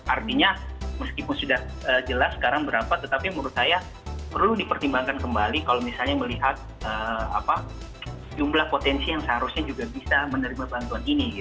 artinya meskipun sudah jelas sekarang berapa tetapi menurut saya perlu dipertimbangkan kembali kalau misalnya melihat jumlah potensi yang seharusnya juga bisa menerima bantuan ini